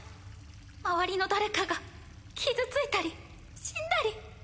周りの誰かが傷ついたり死んだり。